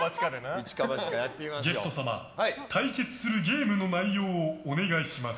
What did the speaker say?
ゲスト様対決するゲームの内容をお願いします。